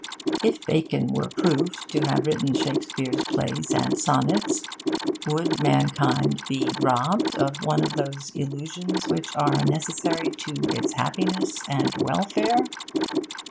If Bacon were proved to have written Shakespeare's plays and sonnets, would mankind be robbed of one of those illusions which are necessary to its happiness and welfare?